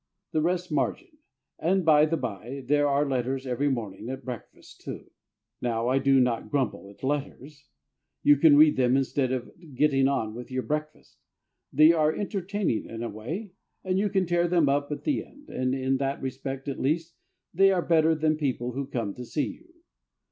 The rest margin. And, by the bye, there are letters every morning at breakfast, too! Now I do not grumble at letters. You can read them instead of getting on with your breakfast. They are entertaining in a way, and you can tear them up at the end, and in that respect at least they are better than people who come to see you.